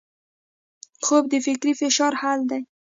خوب د فکري فشار حل دی